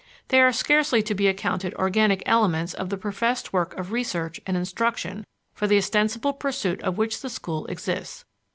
They are scarcely to be accounted organic elements of the professed work of research and instruction for the ostensible pursuit of which the schools exists.